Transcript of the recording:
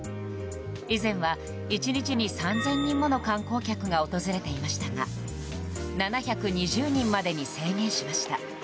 以前は、１日に３０００人もの観光客が訪れていましたが７２０人までに制限しました。